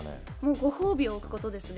ご褒美を置くことですね